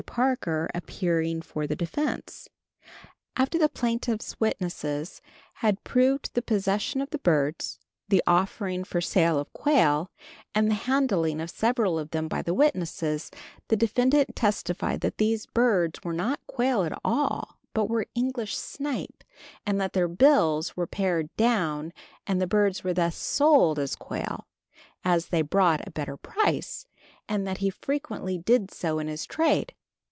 Parker appearing for the defense. After the plaintiff's witnesses had proved the possession of the birds, the offering for sale as quail, and the handling of several of them by the witnesses, the defendant testified that these birds were not quail at all, but were English snipe, and that their bills were pared down and the birds were thus sold as quail, as they brought a better price, and that he frequently did so in his trade.